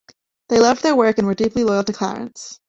They loved their work and were deeply loyal to Clarence.